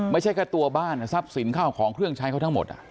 ไม่ใช่แค่ตัวบ้านทรัพย์สินข้าวของเครื่องใช้เขาทั้งหมด